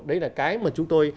đấy là cái mà chúng tôi